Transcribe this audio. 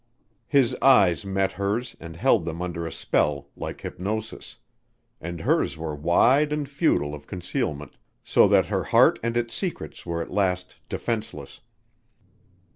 His eyes met hers and held them under a spell like hypnosis, and hers were wide and futile of concealment so that her heart and its secrets were at last defenseless.